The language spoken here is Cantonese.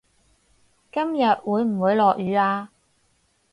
今日會唔會落雨呀